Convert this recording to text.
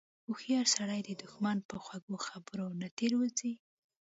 هوښیار سړی د دښمن په خوږو خبرو نه تیر وځي.